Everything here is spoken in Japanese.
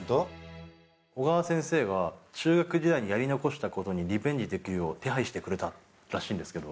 小川先生が中学時代にやり残したことにリベンジできるよう手配してくれたらしいんですけど。